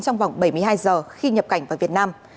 trong vòng bảy mươi hai giờ khi nhập cảnh vào việt nam